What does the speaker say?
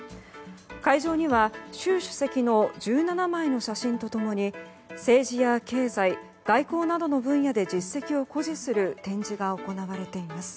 海上には習主席の１７枚の写真と共に政治や経済外交などの分野で実績を誇示する展示が行われています。